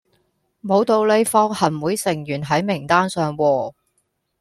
無道理放行會成員喺名單上喎